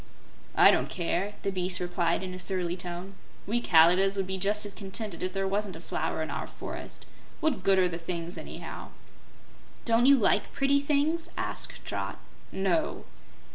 "I don't care," the beast replied in a surly tone. "We Kalidahs would be just as contented if there wasn't a flower in our forest. What good are the things anyhow?" "Don't you like pretty things?" asked Trot. "No."